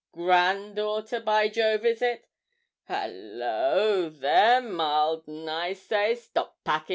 granddaughter, by Jove, is it? Hallo! there, mild 'n, I say, stop packin'.'